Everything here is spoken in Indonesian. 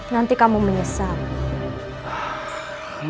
nanti kamu menyesal